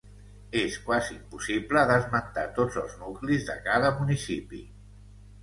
És quasi impossible d'esmentar tots els nuclis de cada municipi.